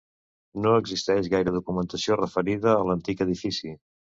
No existeix gaire documentació referida a l'antic edifici.